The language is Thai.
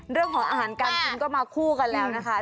เรื่องของอาหารการกินก็มาคู่กันแล้วนะคะ